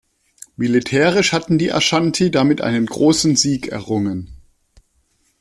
Militärisch hatten die Aschanti damit einen großen Sieg errungen.